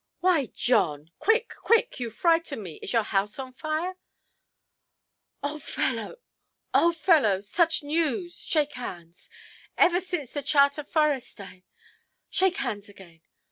"Why, John; quick, quick! You frighten me. Is your house on fire"? "Old fellow—old fellow; such news! Shake hands—ever since the charta forestæ; shake hands again.